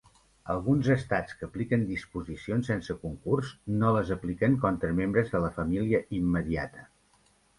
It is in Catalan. Alguns Estats que apliquen disposicions sense concurs, no les apliquen contra membres de la família immediata.